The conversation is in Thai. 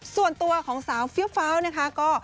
ส่วนตัวของสาวเฟี้ยวฟ้าวนะคะก็